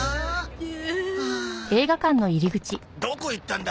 どこ行ったんだ？